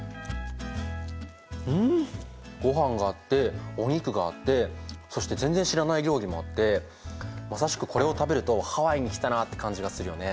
んごはんがあってお肉があってそして全然知らない料理もあってまさしくこれを食べると「ハワイに来たな」って感じがするよね。